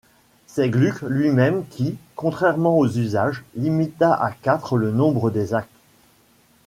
C'est Gluck lui-même qui, contrairement aux usages, limita à quatre le nombre des actes.